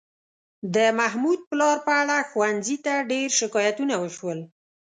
د محمود پلار په اړه ښوونځي ته ډېر شکایتونه وشول.